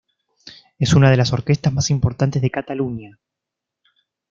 Es una de las orquestas más importantes de Cataluña.